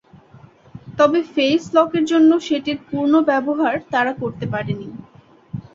তবে face lock এর জন্য সেটির পূর্ণ ব্যবহার তারা করতে পারেন নি।